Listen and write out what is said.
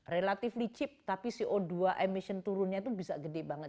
relatively chip tapi co dua emission turunnya itu bisa gede banget